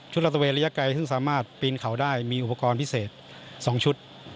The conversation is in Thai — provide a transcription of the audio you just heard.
รัฐเวนระยะไกลซึ่งสามารถปีนเขาได้มีอุปกรณ์พิเศษ๒ชุด